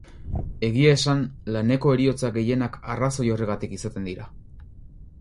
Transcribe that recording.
Egia esan, laneko heriotza gehienak arrazoi horregatik izaten dira.